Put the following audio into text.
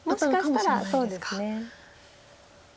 もしかしたらそうですね。